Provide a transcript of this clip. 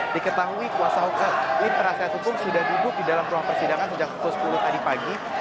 diketahui kuasa hukum penasihat hukum sudah duduk di dalam ruang persidangan sejak pukul sepuluh tadi pagi